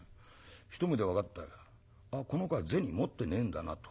一目で分かったよこの子は銭持ってねえんだなと。